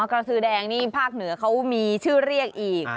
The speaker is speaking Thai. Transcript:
กระทือแดงนี่ภาคเหนือเขามีชื่อเรียกอีก